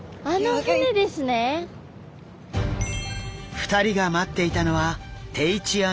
２人が待っていたのは定置網漁船。